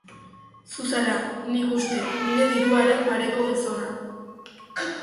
Zu zara, nik uste, nire diruaren pareko gizona.